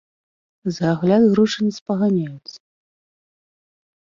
За агляд грошы не спаганяюцца.